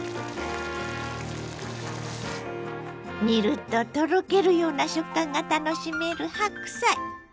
煮るととろけるような食感が楽しめる白菜。